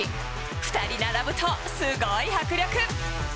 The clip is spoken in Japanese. ２人並ぶと、すごい迫力。